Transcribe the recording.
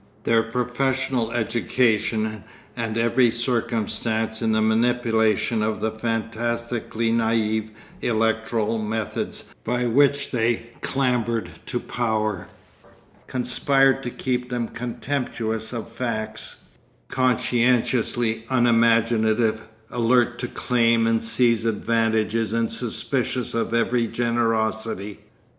Their professional education and every circumstance in the manipulation of the fantastically naïve electoral methods by which they clambered to power, conspired to keep them contemptuous of facts, conscientiously unimaginative, alert to claim and seize advantages and suspicious of every generosity.